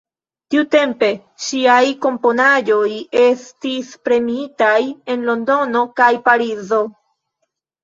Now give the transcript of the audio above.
Tiutempe ŝiaj komponaĵoj estis premiitaj en Londono kaj Parizo.